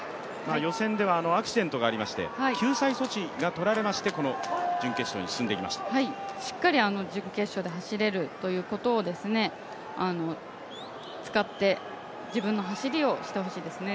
予選ではアクシデントがありまして救済措置がとられましてしっかり準決勝で走れるということを使って、自分の走りをしてほしいですね。